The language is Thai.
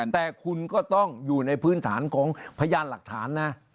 แต่คุณก็ต้องอยู่ในพื้นฐานของพยานหลักฐานนะ